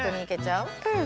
うん。